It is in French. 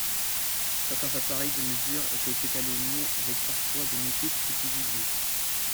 Certains appareils de mesure étaient étalonnés, avec parfois de multiples subdivisions.